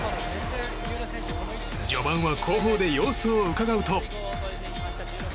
序盤は後方で様子をうかがうと。